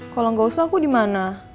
kalau gak usah aku dimana